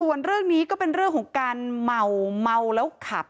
ส่วนเรื่องนี้ก็เป็นเรื่องของการเมาเมาแล้วขับ